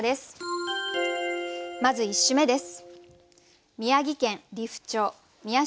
まず１首目です。